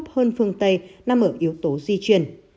phần phương tây nằm ở yếu tố di chuyển